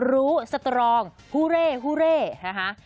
รู้สตรองฮูเร่ฮูเร่นะคะ